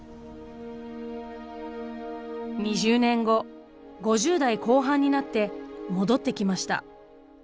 ２０年後５０代後半になって戻ってきました。